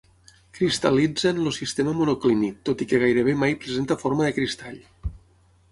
Cristal·litza en el sistema monoclínic tot i que gairebé mai presenta forma de cristall.